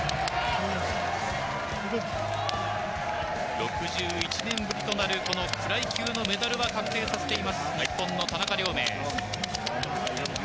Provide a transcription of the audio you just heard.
６１年ぶりとなるこのフライ級のメダルは確定させています、日本の田中亮明。